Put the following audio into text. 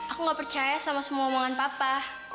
aku gak percaya sama semua omongan papa